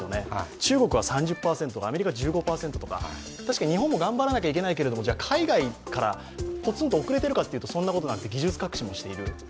中国は３０％、アメリカは１５％とか確かに日本も頑張らなければならないけど、海外から遅れているかというと技術革新もしている。